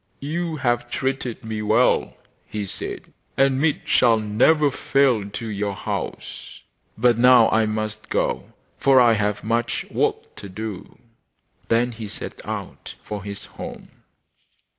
'You have treated me well,' he said, 'and meat shall never fail to your house. But now I must go, for I have much work to do.' Then he set out for his home.